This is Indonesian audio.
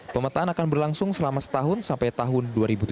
pemetaan akan berlangsung selama setahun sampai tahun dua ribu tujuh belas